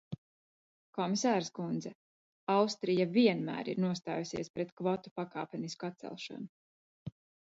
Komisāres kundze, Austrija vienmēr ir nostājusies pret kvotu pakāpenisku atcelšanu.